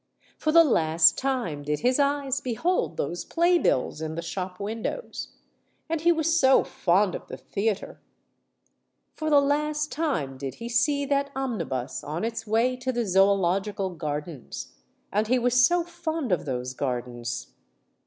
For the last time did his eyes behold those play bills in the shop windows—and he was so fond of the theatre! For the last time did he see that omnibus on its way to the Zoological Gardens—and he was so fond of those Gardens!